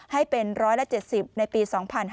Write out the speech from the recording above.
ให้เป็นร้อยละ๗๐ในปี๒๕๖๔